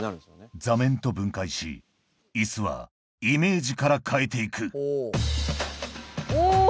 座面と分解し椅子はイメージから変えて行くおぉ！